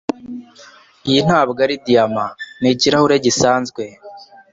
Iyi ntabwo ari diyama. Ni ikirahure gisanzwe